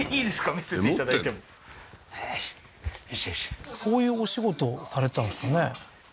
見せていただいてもよしよしよしそういうお仕事をされてたんですかね？